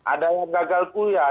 ada yang gagal kuliah